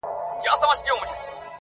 نه ستا زوی سي تر قیامته هېرېدلای--!